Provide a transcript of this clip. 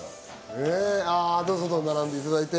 どうぞどうぞ、並んでいただいて。